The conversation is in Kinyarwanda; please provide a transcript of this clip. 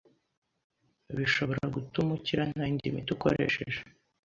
bishobora gutuma ukira nta yindi miti ukoresheje.